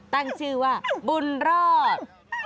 ตั้งชื่อว่าบุญรอด